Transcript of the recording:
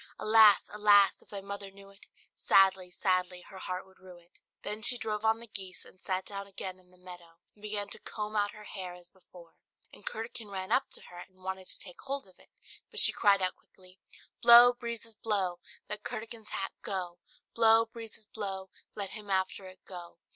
Alas! alas! if thy mother knew it, Sadly, sadly her heart would rue it." Then she drove on the geese and sat down again in the meadow, and began to comb out her hair as before, and Curdken ran up to her, and wanted to take hold of it; but she cried out quickly "Blow, breezes, blow! Let Curdken's hat go, Blow, breezes, blow! Let him after it go!